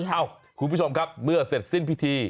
เอ้าคุณผู้ชมครับเมื่อเสร็จสิ้นพิธี